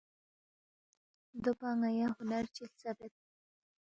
دوپا ن٘یا ہُنر چی ہلژَبید